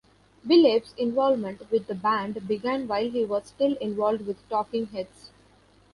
Belew's involvement with the band began while he was still involved with Talking Heads.